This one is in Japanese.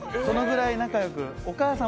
「そのぐらい仲良く」